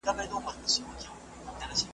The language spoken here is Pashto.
بنی اسرائیلو د ورکو قبیلو له نسل څخه دي،